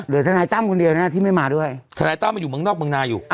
เดี๋ยวทนายต้ำคนเดียวน่ะที่ไม่มาด้วยทนายต้้ำมันอยู่เมืองนอกเมืองหน้าอยู่